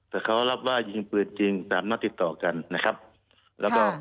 แต่เขารับว่ายิงปืนจริงสามนัดติดต่อกันนะครับแล้วก็